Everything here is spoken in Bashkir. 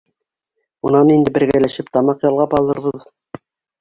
Унан инде бергәләшеп тамаҡ ялғап алырбыҙ...